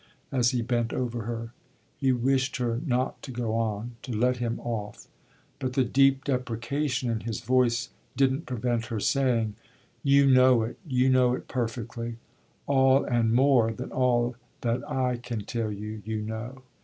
as he bent over her. He wished her not to go on, to let him off; but the deep deprecation in his voice didn't prevent her saying: "You know it you know it perfectly. All and more than all that I can tell you you know."